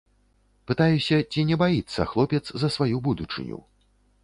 Пытаюся, ці не баіцца хлопец за сваю будучыню.